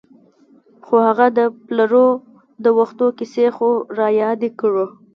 خو هغه د پلرو د وختونو کیسې خو رایادې کړه.